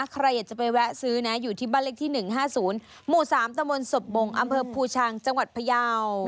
ใครอยากจะไปแวะซื้อนะอยู่ที่บ้านเลขที่๑๕๐หมู่๓ตะมนต์ศพบงอำเภอภูชังจังหวัดพยาว